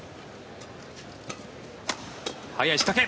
早い仕掛け！